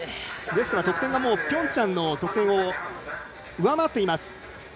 ですからもう得点はピョンチャンの得点を上回っています。